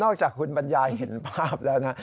จากคุณบรรยายเห็นภาพแล้วนะ